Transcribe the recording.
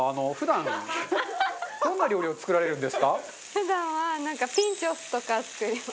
普段は、なんかピンチョスとか作ります。